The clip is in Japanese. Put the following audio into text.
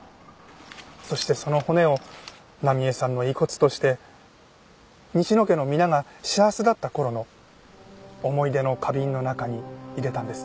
そしてその骨を奈美絵さんの遺骨として西野家の皆が幸せだった頃の思い出の花瓶の中に入れたんです。